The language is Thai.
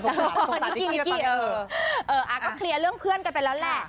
โฟกัสนิกกี้เออก็เคลียร์เรื่องเพื่อนกันไปแล้วแหละ